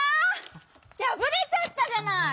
やぶれちゃったじゃない！